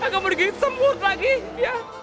gak mau lagi sembut lagi ya